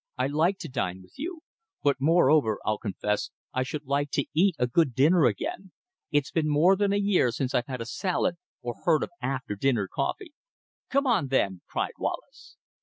I'd like to dine with you; but moreover, I'll confess, I should like to eat a good dinner again. It's been more than a year since I've seen a salad, or heard of after dinner coffee." "Come on then," cried Wallace.